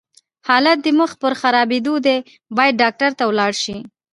حالت دې مخ پر خرابيدو دی، بايد ډاکټر ته ولاړ شې!